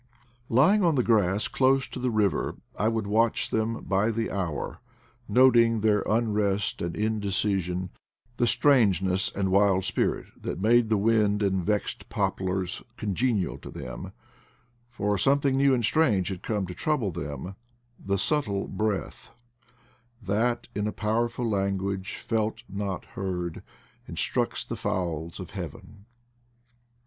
Lying on the grass, close tp the river bank, I would watch them by the hourj noting their unrest and indecision, the strangeness and wild spirit that made the wind and vexed poplars congenial to them; for something new and strange had come to trouble them— the subtle breath That in a powerful Ian go age, felt, not heard, Instructs the fowls of heaven.